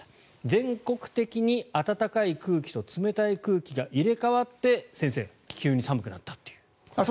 全国的に暖かい空気と冷たい空気が入れ替わって先生、急に寒くなったという。